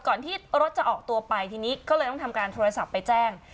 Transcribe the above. ก่อนที่รถจะออกตัวไปทีนี้ก็เลยต้องทำการโทรศัพท์ไปแจ้ง